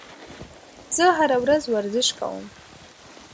زه هره ورځ ورزش کوم.